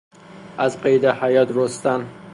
از قید حیات رستن